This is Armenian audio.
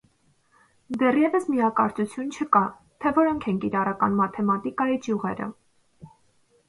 Դեռևս միակարծություն չկա, թե որոնք են կիրառական մաթեմատիկայի ճյուղերը։